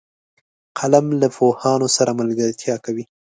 قلم له پوهانو سره ملګرتیا کوي